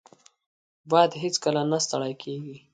باد هیڅکله نه ستړی کېږي